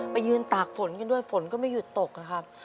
ไปยืนตากฝนกันด้วยฝนก็ไม่หยุดตกนะครับ